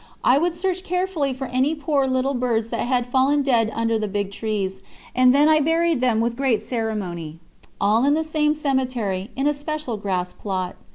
I would search carefully for any poor little birds that had fallen dead under the big trees, and I then buried them with great ceremony, all in the same cemetery, in a special grass plot.